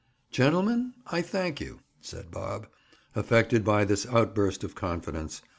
"Gentlemen, I thank you," said Bob, affected by this outburst of confidence.